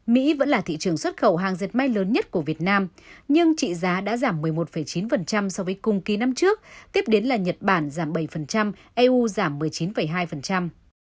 mỹ vẫn là thị trường xuất khẩu hàng dệt may lớn nhất của việt nam nhưng trị giá đã giảm một mươi một chín so với cùng kỳ năm trước tiếp đến là nhật bản giảm bảy eu giảm một mươi chín hai